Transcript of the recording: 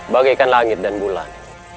bagikan langit dan bulan